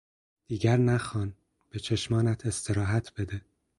دیگر نخوان; به چشمانت استراحت بده!